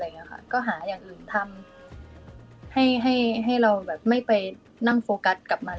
ก็หาอย่างอื่นทำให้ให้เราแบบไม่ไปนั่งโฟกัสกับมัน